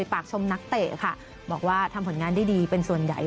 ปากชมนักเตะค่ะบอกว่าทำผลงานได้ดีเป็นส่วนใหญ่